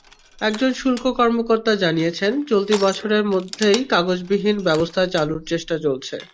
একজন শুল্ক কর্মকর্তা জানিয়েছেন, চলতি বছরের মধ্যেই কাগজবিহীন ব্যবস্থা চালুর চেষ্টা চলছে।